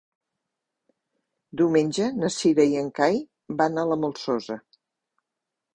Diumenge na Cira i en Cai van a la Molsosa.